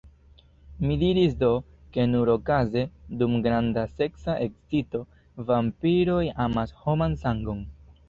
Mi diris do, ke nur okaze, dum granda seksa ekscito, vampiroj amas homan sangon.